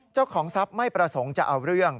เจ้าของทรัพย์ไม่ประสงค์จะเอาเรื่อง